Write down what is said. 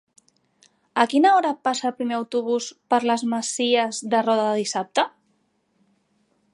A quina hora passa el primer autobús per les Masies de Roda dissabte?